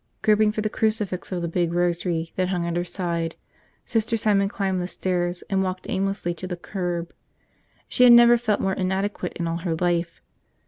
Groping for the crucifix of the big rosary that hung at her side, Sister Simon climbed the stairs and walked aimlessly to the curb. She had never felt more inadequate in all her life.